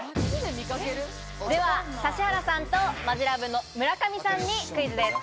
では、指原さんとマヂラブの村上さんにクイズです。